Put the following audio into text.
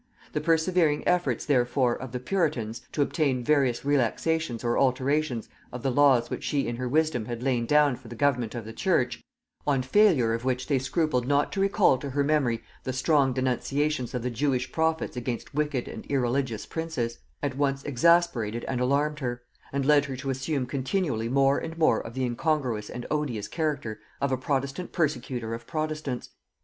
The persevering efforts therefore of the puritans, to obtain various relaxations or alterations of the laws which she in her wisdom had laid down for the government of the church, on failure of which they scrupled not to recall to her memory the strong denunciations of the Jewish prophets against wicked and irreligious princes, at once exasperated and alarmed her, and led her to assume continually more and more of the incongruous and odious character of a protestant persecutor of protestants.